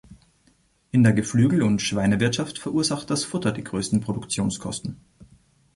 In der Geflügel- und Schweinewirtschaft verursacht das Futter die größten Produktionskosten.